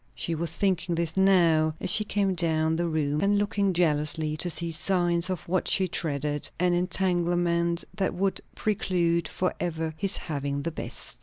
She was thinking this now, as she came down the room, and looking jealously to see signs of what she dreaded, an entanglement that would preclude for ever his having the best.